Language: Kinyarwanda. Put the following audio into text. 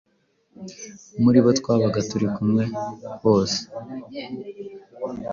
Muri bo twabaga turi kumwe bose